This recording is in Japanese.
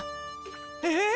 えっ！